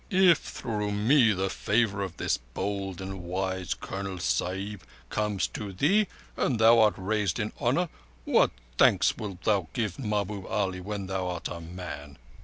"If through me the favour of this bold and wise Colonel Sahib comes to thee, and thou art raised to honour, what thanks wilt thou give Mahbub Ali when thou art a man?"